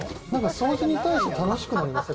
掃除に対して楽しくなりますよ。